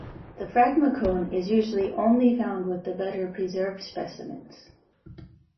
The phragmocone is usually only found with the better preserved specimens.